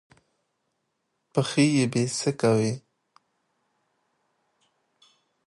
پښې يې بېسېکه وې.